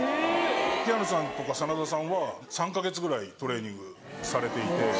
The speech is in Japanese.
キアヌさんとか真田さんは３か月ぐらいトレーニングされていて。